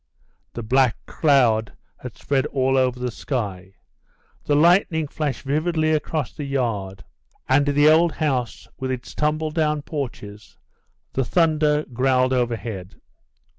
The black cloud had spread all over the sky; the lightning flashed vividly across the yard and the old house with its tumble down porches, the thunder growled overhead.